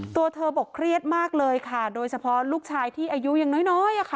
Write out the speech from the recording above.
ตัวเธอบอกเครียดมากเลยค่ะโดยเฉพาะลูกชายที่อายุยังน้อยอะค่ะ